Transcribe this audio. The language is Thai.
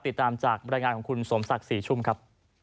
ติดตามจากบรรยายงานของคุณสมศักดิ์ศรีชุ่มครับ